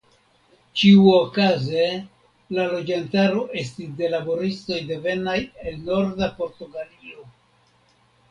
Ĉiuokaze la loĝantaro estis de laboristoj devenaj el norda Portugalio.